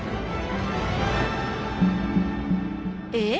えっ？